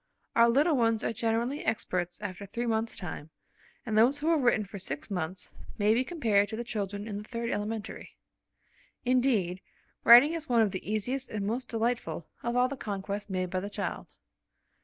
Our little ones are generally experts after three months' time, and those who have written for six months may be compared to the children in the third elementary. Indeed, writing is one of the easiest and most delightful of all the conquests made by the child.